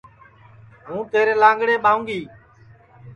ہوں تیرے لانٚگڑے ٻاوں گی